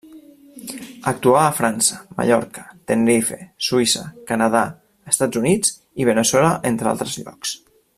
Actuà a França, Mallorca, Tenerife, Suïssa, Canadà, Estats Units i Veneçuela entre altres llocs.